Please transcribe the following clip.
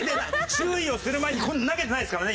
注意をする前に「投げてないですからね？